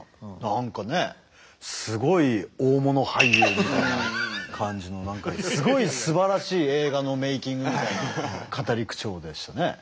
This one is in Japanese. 何かねすごい大物俳優みたいな感じのすごいすばらしい映画のメイキングの語り口調でしたね。